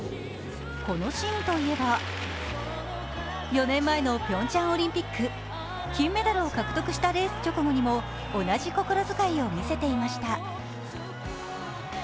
このシーンといえば、４年前のピョンチャンオリンピック金メダルを獲得したレース直後にも同じ心遣いを見せていました。